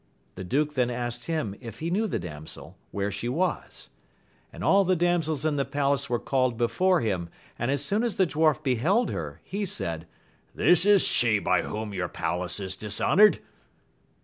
The duke then asked him if he knew the damsel, which she was ? And all the dam sels in the palace were called before him, and as soon as the dwarf beheld her, he said, this is she by whom your palace is dishonoured.